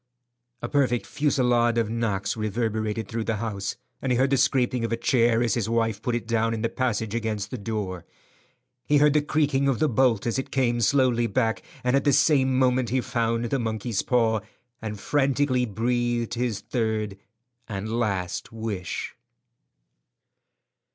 A perfect fusillade of knocks reverberated through the house, and he heard the scraping of a chair as his wife put it down in the passage against the door. He heard the creaking of the bolt as it came slowly back, and at the same moment he found the monkey's paw, and frantically breathed his third and last wish.